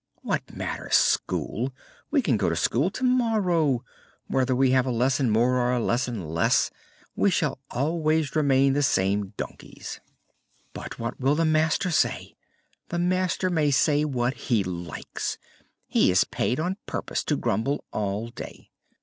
"What matters school? We can go to school tomorrow. Whether we have a lesson more or a lesson less, we shall always remain the same donkeys." "But what will the master say?" "The master may say what he likes. He is paid on purpose to grumble all day."